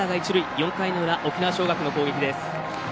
４回の裏、沖縄尚学の攻撃。